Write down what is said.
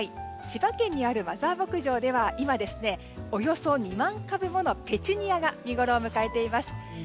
千葉県にあるマザー牧場では今、およそ２万株ものペチュニアが見ごろを迎えています。